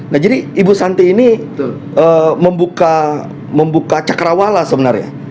nah jadi ibu santi ini membuka cakrawala sebenarnya